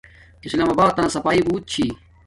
اسلام آباتنا صاپاݵی بوت چھی